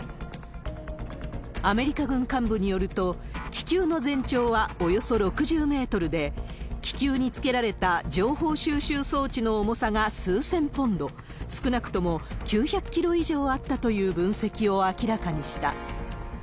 アメリカ軍幹部によると、気球の全長はおよそ６０メートルで、気球につけられた情報収集装置の重さが数千ポンド、少なくとも９００キロ以上あったという分析を明らかにした。